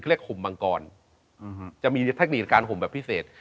เรียกห่มมังกรจะมีเทคนิคในการห่มแบบพิเศษ